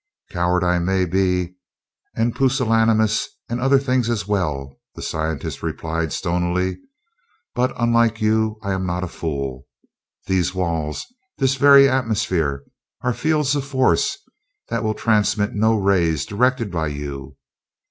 "Coward I may be, and pusillanimous, and other things as well," the scientist replied stonily, "but, unlike you, I am not a fool. These walls, this very atmosphere, are fields of force that will transmit no rays directed by you.